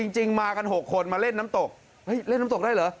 จริงมากัน๖คนมาเล่นน้ำตกเล่นน้ำตกได้เหรอ